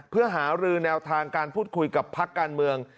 เพื่อหารือแนวทางการพูดคุยกับพักการเมือง